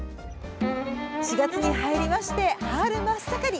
４月に入りまして春真っ盛り！